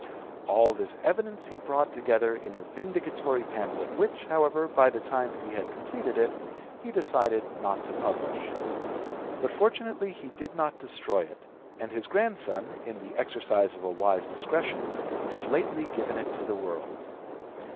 All this evidence he brought together in a vindicatory pamphlet, which, however, by the time he had completed it he decided not to publish. But fortunately he did not destroy it, and his grandson, in the exercise of a wise discretion, has lately given it to the world.